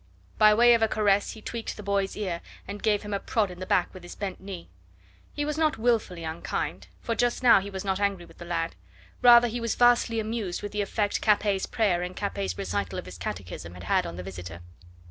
By way of a caress he tweaked the boy's ear and gave him a prod in the back with his bent knee. He was not wilfully unkind, for just now he was not angry with the lad; rather was he vastly amused with the effect Capet's prayer and Capet's recital of his catechism had had on the visitor.